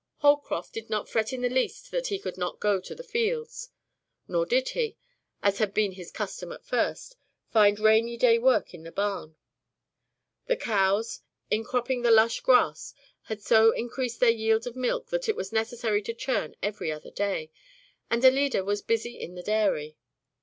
Holcroft did not fret in the least that he could not go to the fields, nor did he, as had been his custom at first, find rainy day work at the barn. The cows, in cropping the lush grass, had so increased their yield of milk that it was necessary to churn every other day, and Alida was busy in the dairy.